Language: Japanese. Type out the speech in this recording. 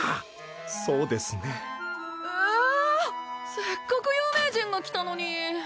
せっかく有名人が来たのに。